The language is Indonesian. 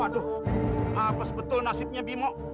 aduh apa sebetulnya nasibnya bimbo